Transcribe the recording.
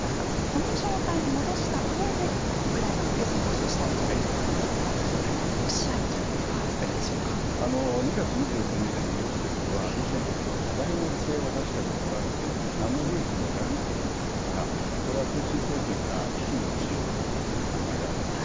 この状態に戻した上でウクライナは停戦交渉したいということなんですがこれ、ロシアにとっては２月２４日以前に戻すということはロシアにとっては、多大な犠牲を出したにもかかわらず何の利益も得られなかったわけですからこれはプーチン政権が危機に陥るということが考えられます。